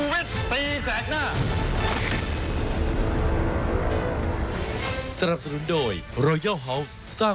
ไม่หวนอื่นสำหรับทางงานเรื่อง